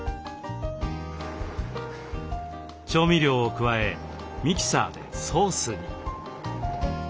調味料を加えミキサーでソースに。